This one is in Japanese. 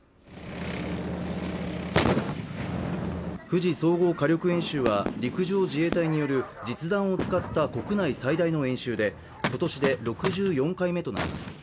富士総合火力演習は陸上自衛隊による実弾を使った国内最大の演習で今年で６４回目となります。